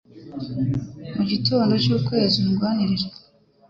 Mu gitabo cy'ukwezi, urwanire.